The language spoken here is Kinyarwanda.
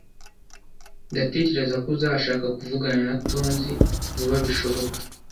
Ndatekereza ko uzashaka kuvugana na Tonzi vuba bishoboka.